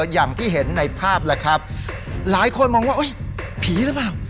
อย่างที่เห็นในภาพแหละครับหลายคนมองว่าผีหรือเปล่า